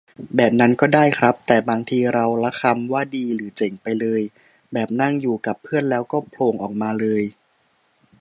แบบนั้นก็ได้ครับ แต่บางทีเราละคำว่าดีหรือเจ๋งไปเลย แบบนั่งอยู่กับเพื่อนแล้วก็โผล่งออกมาเลย